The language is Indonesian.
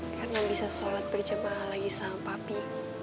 karena bisa sholat berjemaah lagi sama papi